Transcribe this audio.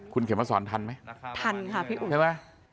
คุณเขมรสรทันไหมทันค่ะพี่อุ๊ย